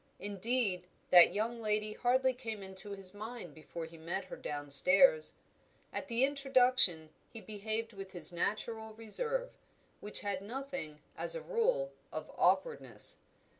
Indeed, that young lady hardly came into his mind before he met her downstairs. At the introduction he behaved with his natural reserve, which had nothing, as a rule, of awkwardness.